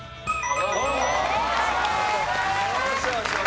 正解です。